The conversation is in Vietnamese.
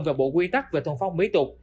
vào bộ quy tắc về thuần phong mỹ tục